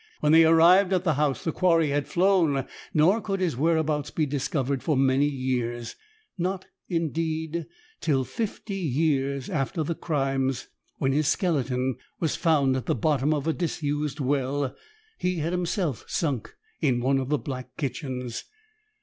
When they arrived at the house, the quarry had flown, nor could his whereabouts be discovered for many years; not, indeed, till fifty years after the crimes, when his skeleton was found at the bottom of a disused well he had himself sunk in one of the back kitchens.